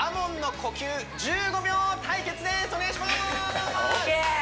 お願いします！ＯＫ！